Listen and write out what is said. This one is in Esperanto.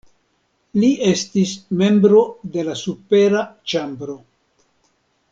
Li estis membro de la supera ĉambro.